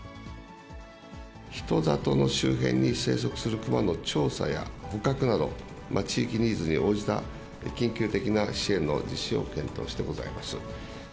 人里の周辺に生息するクマの調査や捕獲など、地域ニーズに応じた緊急的な支援の実施を検討してございます。